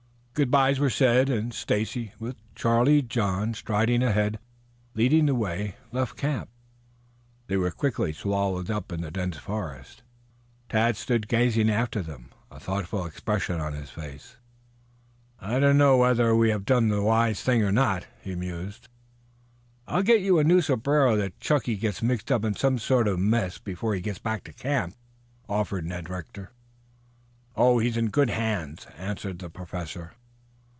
Good byes were said and Stacy, with Charlie John striding ahead, leading the way, left the camp. They were quickly swallowed up in the dense forest. Tad stood gazing after them, a thoughtful expression on his face. "I don't know whether we have done the wise thing or not," he mused. "I'll go you a new sombrero that Chunky gets mixed up in some sort of a mess before he gets back to this camp," offered Ned Rector. "He is in good hands," answered the Professor.